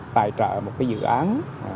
tài trợ một cái dự án